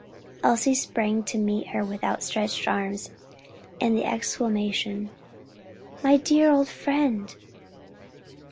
Elsie sprang to meet her with outstretched arms, and the exclamation, "My dear old friend!"